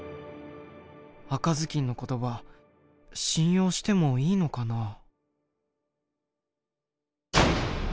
赤ずきんの言葉信用してもいいのかな。